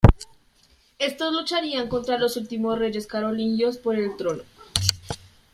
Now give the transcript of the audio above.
Estos lucharían contra los últimos reyes carolingios por el trono.